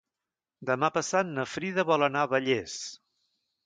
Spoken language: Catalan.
Demà passat na Frida vol anar a Vallés.